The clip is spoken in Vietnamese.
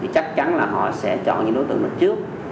chắc chắn là họ sẽ chọn những đối tượng nó trước